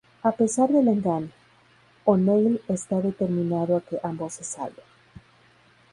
A pesar del engaño, O’Neill está determinado a que ambos se salven.